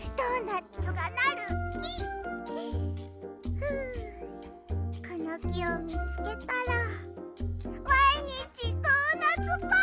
ふうこのきをみつけたらまいにちドーナツパーティー！